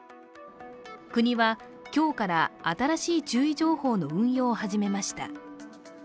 国は今日から新しい注意情報の運用を始めました。